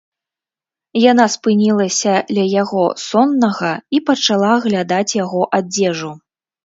Яна спынілася ля яго, соннага, і пачала аглядаць яго адзежу.